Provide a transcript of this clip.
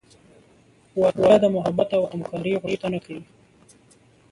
• واده د محبت او همکارۍ غوښتنه کوي.